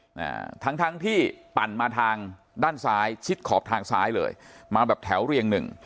อ่าทั้งทั้งที่ปั่นมาทางด้านซ้ายชิดขอบทางซ้ายเลยมาแบบแถวเรียงหนึ่ง